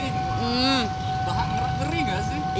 bahan ngeri gak sih